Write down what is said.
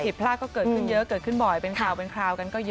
ผิดพลาดก็เกิดขึ้นเยอะเกิดขึ้นบ่อยเป็นข่าวเป็นคราวกันก็เยอะ